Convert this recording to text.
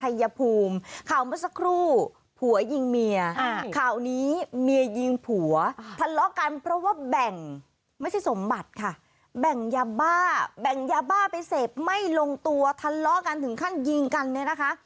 ภูมิข่าวเมื่อสักครู่ผัวยิงเมียข่าวนี้เมียยิงผัวทะเลาะกันเพราะว่าแบ่งไม่ใช่สมบัติค่ะแบ่งยาบ้าแบ่งยาบ้าไปเสพไม่ลงตัวทะเลาะกันถึงขั้นยิงกันเนี่ยนะคะ